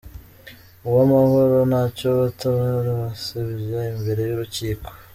Uwamahoro Ntacyobatabara Basebya imbere y’Urukiko